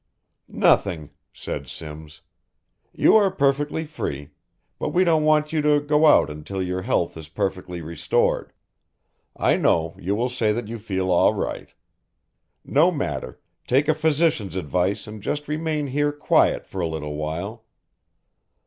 "Nothing," said Simms, "you are perfectly free, but we don't want you to go out till your health is perfectly restored. I know, you will say that you feel all right. No matter, take a physician's advice and just remain here quiet for a little while.